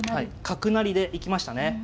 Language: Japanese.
角成りで行きましたね。